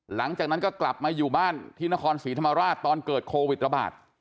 หลังจากนั้นก็กลับมาอยู่บ้านที่นครศรีธรรมราชตอนเกิดโควิดระบาด